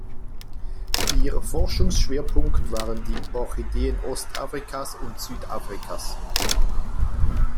Ihr Forschungsschwerpunkt waren die Orchideen Ostafrikas und Südafrikas.